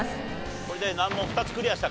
これで難問２つクリアしたかな。